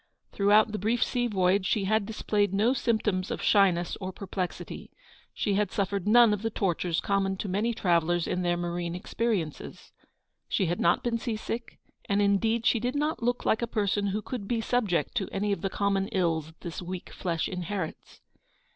Throughout the GOING HOME. .j brief sea voyage she had displayed no symptoms of shyness or perplexity. She had suffered none of the tortures common to many travellers in their marine experiences. She had not been sea sick ; and indeed she did not look like a person who could be subject to any of the common ills this weak flesh inherits.